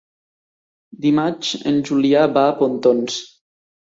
Dimarts en Julià va a Pontons.